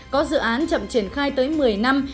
có dự án chậm triển khai tới một mươi năm